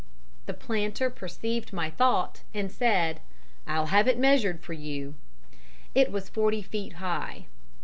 The planter perceived my thought, and said: "I'll have it measured for you." It was forty feet high.